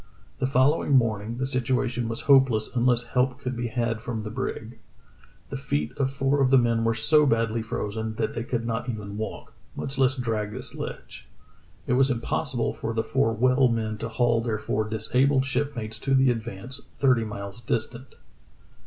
The following morning the situation was hopeless unless help could be had from the brig. The feet of four of the men were so badly frozen that they could not even walk, much less drag the sledge. It was impossible for the four well men to haul their four disabled shipmates to the AdvancCy thirty miles distant.